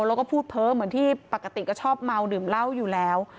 แล้วก็พูดเพ้อเหมือนที่ปกติก็ชอบเมาดื่มเหล้าอยู่แล้ว